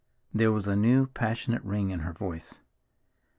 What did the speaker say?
There was a new, passionate ring in her voice.